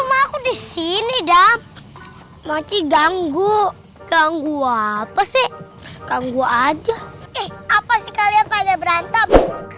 rumah aku di sini dam maci ganggu ganggu apa sih kang gue aja eh apa sih kalian pada berantem